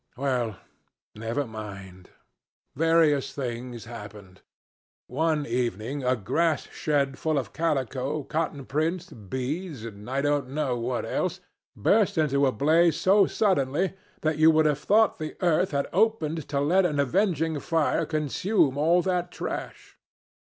Well, never mind. Various things happened. One evening a grass shed full of calico, cotton prints, beads, and I don't know what else, burst into a blaze so suddenly that you would have thought the earth had opened to let an avenging fire consume all that trash.